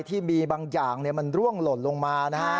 ที่มีบางอย่างมันร่วงหล่นลงมานะฮะ